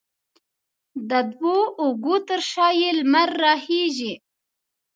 د دوو اوږو تر شا یې لمر راخیژي